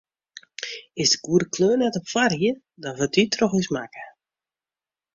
Is de goede kleur net op foarried, dan wurdt dy troch ús makke.